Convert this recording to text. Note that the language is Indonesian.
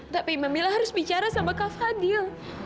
tapi mbak mila harus bicara sama kak fadil